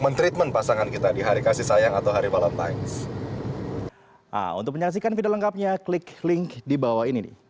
mentreatment pasangan kita di hari kasih sayang atau hari valentine